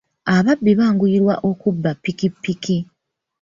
Ababbi banguyirwa okubba ppikipiki.